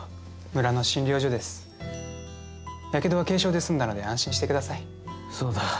村の診療所ですやけどは軽傷で済んだので安心してくださいそうだ